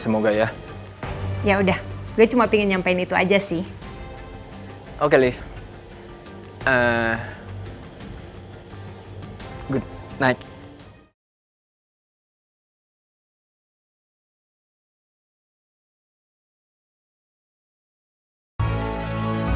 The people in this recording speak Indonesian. mereka pasti bingin banget kan elsa segera bertanggung jawab atas perbuatannya dia